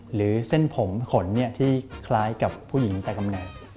หรือเส้นผมขนที่คล้ายกับผู้หญิงแต่ตำแหน่ง